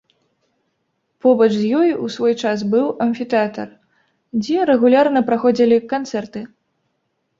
Побач з ёй у свой час быў амфітэатр, дзе рэгулярна праходзілі канцэрты.